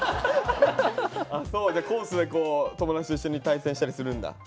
じゃあコースでこう友達と一緒に対戦したりするんだ？